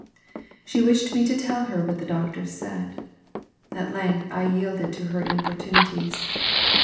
She wished me to tell her what the doctors said. At length I yielded to her importunities.